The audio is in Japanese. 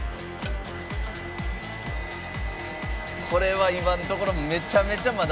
これは今のところめちゃめちゃ